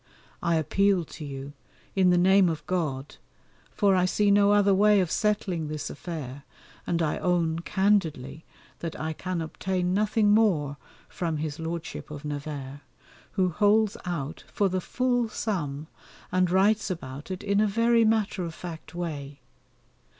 I appeal to you in the name of God, for I see no other way of settling this affair, and I own candidly that I can obtain nothing more from his Lordship of Nevers, who holds out for the full sum and writes about it in a very matter of fact way.